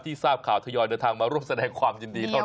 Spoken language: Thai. ทราบข่าวทยอยเดินทางมาร่วมแสดงความยินดีเท่านั้น